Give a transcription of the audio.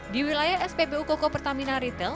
di wilayah spbu koko pertamina retail